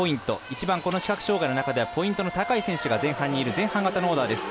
一番この視覚障がいの中ではポイントが高い選手が前半にいる前半型のオーダーです。